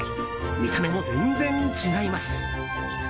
見た目も全然違います。